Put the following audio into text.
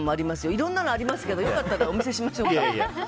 いろんなのありますけどよかったらお見せしましょうか？